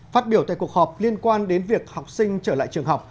phát biểu tại cuộc họp liên quan đến việc học sinh trở lại trường học